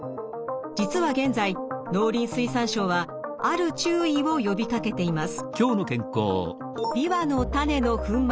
実は現在農林水産省はある注意を呼びかけています。